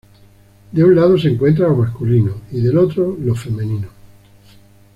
De un lado se encuentra lo masculino y del otro, lo femenino.